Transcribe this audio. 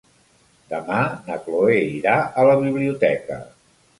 Demà na Chloé irà a la biblioteca.